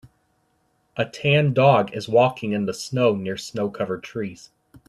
A tan dog is walking in the snow near snow covered trees.